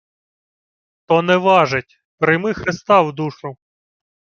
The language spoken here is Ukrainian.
— То не важить. Прийми Христа в душу.